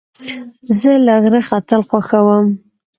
زه له غره ختل خوښوم.